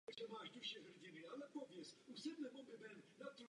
S týmem získal v témže ročníku mistrovský titul.